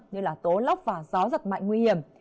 như tố lóc và gió giật mạnh nguy hiểm